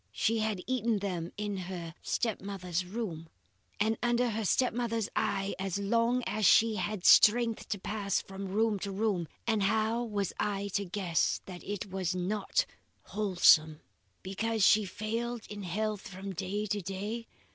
She had eaten them in her step mother's room, and under her step mother's eye as long as she had strength to pass from room to room, and how was I to guess that it was not wholesome? Because she failed in health from day to day?